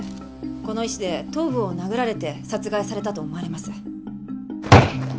この石で頭部を殴られて殺害されたと思われます。